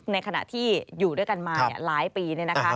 ในขณะที่อยู่ด้วยกันมาหลายปี